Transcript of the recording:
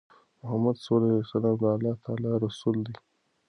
محمد ص د الله تعالی رسول دی.